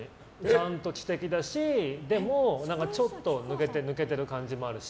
ちゃんと知的だしちょっと抜けてる感じもあるし。